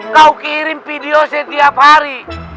kau kirim video setiap hari